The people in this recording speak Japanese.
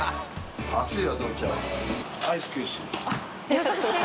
優しい。